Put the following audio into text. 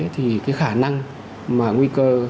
thì cái khả năng mà nguy cơ